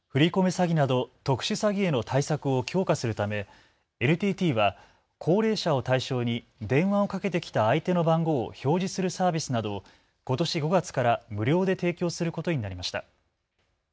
詐欺など特殊詐欺への対策を強化するためＮＴＴは高齢者を対象に電話をかけてきた相手の番号を表示するサービスなどをことし５月から無料で提供することになりました。